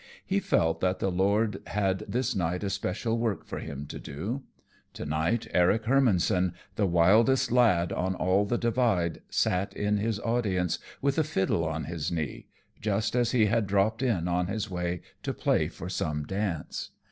He felt that the Lord had this night a special work for him to do. To night Eric Hermannson, the wildest lad on all the Divide, sat in his audience with a fiddle on his knee, just as he had dropped in on his way to play for some dance.